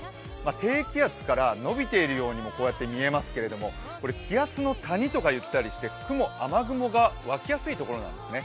低気圧から伸びているようにも見えますけれどもこれ気圧の谷とか言ったりして、雲・雨雲が湧きやすいところなんですね。